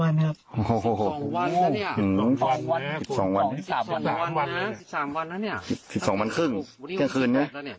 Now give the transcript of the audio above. ๑๒วันครึ่งเมื่อกลางคืน